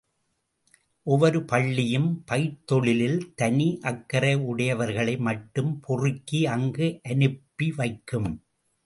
ஒவ்வொரு பள்ளியும், பயிர்த்தொழிலில் தனி அக்கறை உடையவர்களை மட்டும் பொறுக்கி, அங்கு அனுப்பி வைக்கும்.